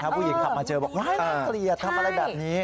ถ้าผู้หญิงคำมาเจอบอกว๊ายไม่เกลียดทำอะไรแบบนี้